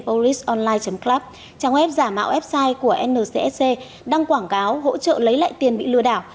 borisonline club trang web giả mạo website của nccc đăng quảng cáo hỗ trợ lấy lại tiền bị lừa đảo